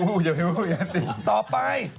โอ้ยโอต่อไป